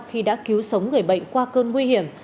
khi đã cứu sống người bệnh qua cơn nguy hiểm